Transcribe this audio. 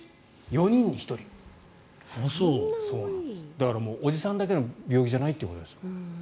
だから、おじさんだけの病気じゃないってことですよ。